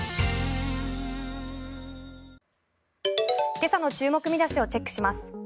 今朝の注目見出しをチェックします。